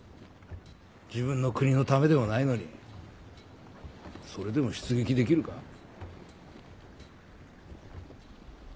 自分の国のためでもないのにそれでも出撃できるか？